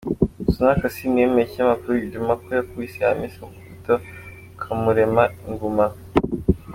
Sanura Kassim yemereye ikinyamakuru Ijumaa ko yakubise Hamisa Mobeto akamurema inguma.